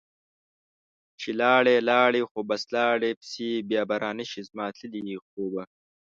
چې لاړي لاړي خو بس لاړي پسي ، بیا به رانشي زما تللي خوبه